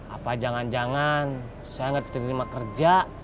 apa jangan jangan saya gak diterima kerja